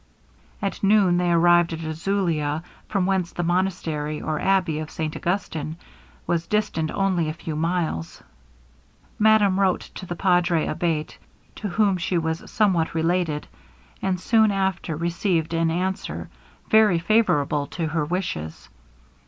At noon they arrived at Azulia, from whence the monastery, or abbey of St Augustin, was distant only a few miles. Madame wrote to the Padre Abate, to whom she was somewhat related, and soon after received an answer very favourable to her wishes.